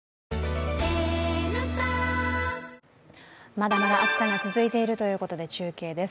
まだまだ暑さが続いているということで、中継です。